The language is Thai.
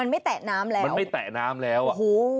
มันไม่แตะน้ำแล้วโอ้โห